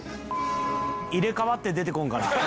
「入れ替わって出てこんかな」